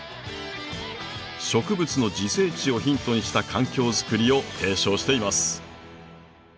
植物の自生地をヒントにした環境づくりを提唱しています。